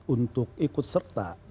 untuk ikut serta